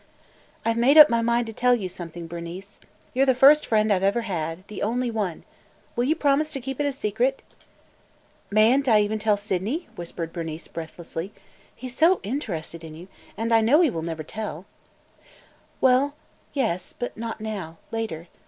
"I 've made up my mind to tell you something, Bernice. You are the first friend I 've ever had – the only one. Will you promise to keep it a secret?" "May n't I even tell Sydney?" whispered Bernice breathlessly. "He 's so interested in you, and I know he will never tell!" "Well – yes, but not now. Later.